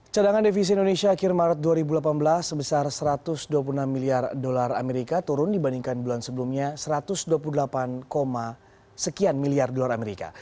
cadangan devisi indonesia akhir maret dua ribu delapan belas sebesar satu ratus dua puluh enam miliar dolar amerika turun dibandingkan bulan sebelumnya satu ratus dua puluh delapan sekian miliar dolar amerika